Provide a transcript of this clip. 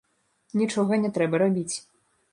Нічога не трэба рабіць.